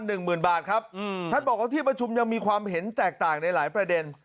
หนึ่งหมื่นบาทครับอืมท่านบอกว่าที่ประชุมยังมีความเห็นแตกต่างในหลายประเด็น